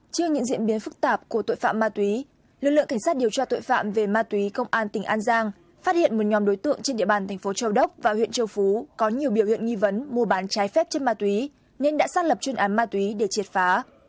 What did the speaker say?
trước những diễn biến phức tạp của tội phạm ma túy lực lượng cảnh sát điều tra tội phạm về ma túy công an tỉnh an giang phát hiện một nhóm đối tượng trên địa bàn thành phố châu đốc và huyện châu phú có nhiều biểu hiện nghi vấn mua bán trái phép chất ma túy nên đã xác lập chuyên án ma túy để triệt phá